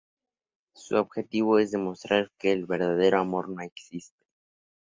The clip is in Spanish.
Su objetivo es demostrar que el verdadero amor no existe.